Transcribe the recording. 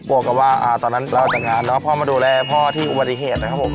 วกกับว่าตอนนั้นเราออกจากงานแล้วพ่อมาดูแลพ่อที่อุบัติเหตุนะครับผม